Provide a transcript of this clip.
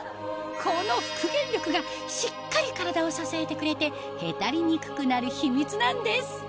この復元力がしっかり体を支えてくれてへたりにくくなる秘密なんです